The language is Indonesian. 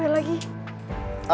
motornya dan nomor polisinya